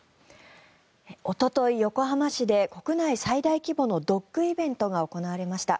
おととい、横浜市で国内最大規模のドッグイベントが行われました。